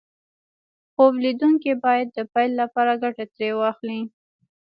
خوب ليدونکي بايد د پيل لپاره ګټه ترې واخلي.